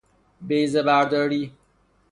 بیضه برداری